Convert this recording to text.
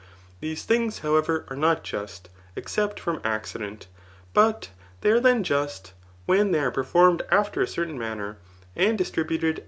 These things, however, are not just, except from accident, but they are then just, when they are performed after a certain manner, and distributed